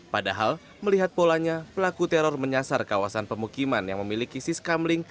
padahal melihat polanya pelaku teror menyasar kawasan pemukiman yang memiliki siskamling